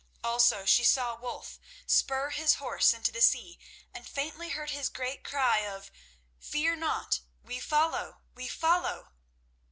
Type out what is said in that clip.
Also she saw Wulf spur his horse into the sea, and faintly heard his great cry of "Fear not! We follow, we follow!"